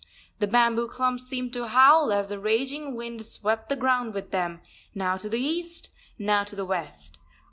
The bamboo clumps seemed to howl as the raging wind swept the ground with them, now to the east, now to the west.